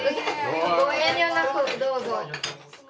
ご遠慮なくどうぞ。